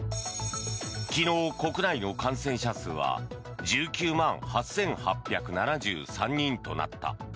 昨日、国内の感染者数は１９万８８７３人となった。